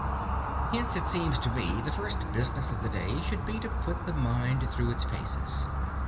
Hence, it seems to me, the first business of the day should be to put the mind through its paces.